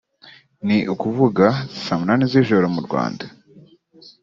ni ukuvuga saa munani z’ijoro mu Rwanda